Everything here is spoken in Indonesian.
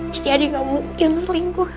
jadi adi gak mungkin selingkuh